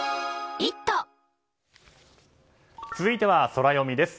続いてはソラよみです。